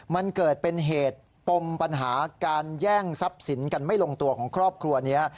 มันเกิดเป็นเหตุปมปัญหาการแย่งทรัพย์สินกันไม่ลงตัวของครอบครัวนี้